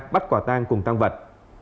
bắt quả tang cùng tăng vật